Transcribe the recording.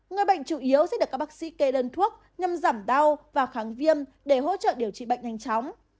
người bệnh chủ yếu sẽ được các bác sĩ kê đơn thuốc nhằm giảm đau và kháng viêm để hỗ trợ điều trị bệnh nhanh chóng